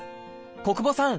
小久保さん